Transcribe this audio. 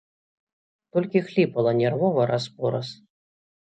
Толькі хліпала нервова раз-пораз.